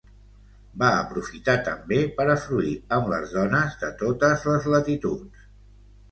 Va aprofitar també per a fruir amb les dones de totes les latituds.